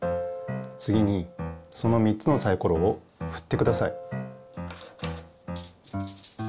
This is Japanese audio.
つぎにその３つのサイコロをふってください。